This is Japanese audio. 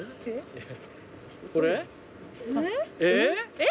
えっ？